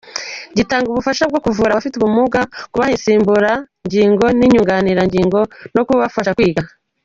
Gitanga ubufasha bwo kuvura abafite ubumuga, kubaha insimbura n’inyunganirangingo no kubafasha kwiga.